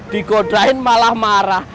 digodain malah marah